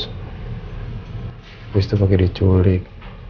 terus itu pake diculik